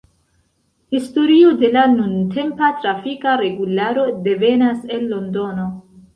Historio de la nuntempa trafika regularo devenas el Londono.